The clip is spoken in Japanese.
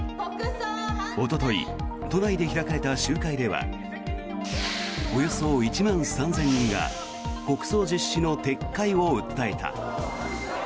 おととい、都内で開かれた集会ではおよそ１万３０００人が国葬実施の撤回を訴えた。